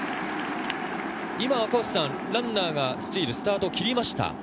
今ランナーがスチール、スタートを切りました。